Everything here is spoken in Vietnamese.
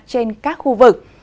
trên các khu vực